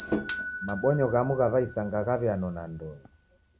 Mabonyo ghamu gha w'aisanga ghaw'ianona ndoe.